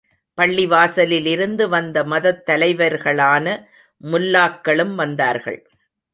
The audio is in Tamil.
பள்ளி வாசலிலிருந்து வந்த மதத் தலைவர்களான முல்லாக்களும் வந்தார்கள்.